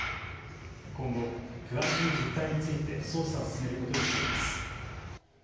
今後、詳しい実態について捜査を進めることにしています。